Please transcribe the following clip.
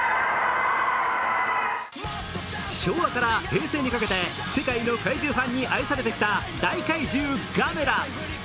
昭和から平成にかけて、世界の怪獣ファンに愛されてきた大怪獣ガメラ。